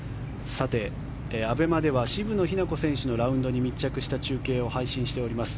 ＡＢＥＭＡでは渋野日向子選手のラウンドに密着した中継を配信しております。